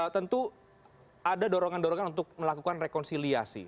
tentu ada dorongan dorongan untuk melakukan rekonsiliasi